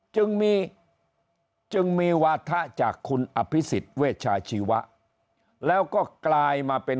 จึงมีจึงมีวาถะจากคุณอภิษฎเวชาชีวะแล้วก็กลายมาเป็น